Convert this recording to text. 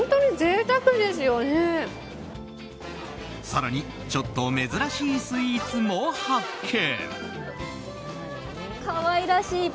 更にちょっと珍しいスイーツも発見。